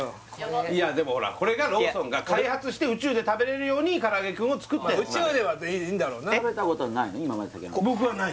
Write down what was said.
いやでもこれがローソンが開発して宇宙で食べれるようにからあげクンを作ってる宇宙ではでいいんだろうな食べたことない？